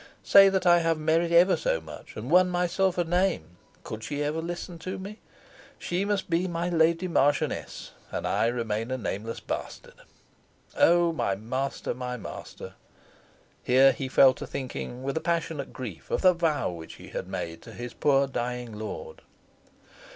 Say that I have merit ever so much, and won myself a name, could she ever listen to me? She must be my Lady Marchioness, and I remain a nameless bastard. Oh! my master, my master!" (here he fell to thinking with a passionate grief of the vow which he had made to his poor dying lord.)